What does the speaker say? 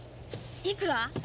いくら？